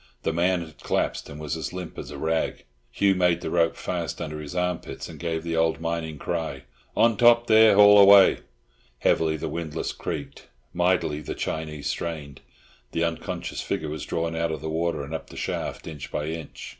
The man had collapsed, and was as limp as a rag. Hugh made the rope fast under his armpits, and gave the old mining cry, "On top there, haul away." Heavily the windlass creaked. Mightily the Chinee strained. The unconscious figure was drawn out of the water and up the shaft, inch by inch.